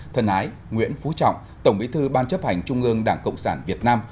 thân ái nguyễn phú trọng tổng bí thư ban chấp hành trung ương đảng cộng sản việt nam